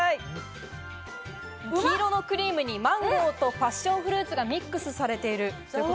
黄色のクリームにマンゴーとパッションフルーツがミックスされています。